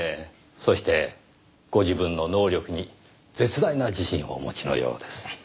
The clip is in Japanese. そしてご自分の能力に絶大な自信をお持ちのようです。